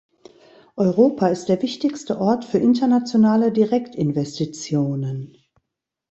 Europa ist der wichtigste Ort für internationale Direktinvestitionen.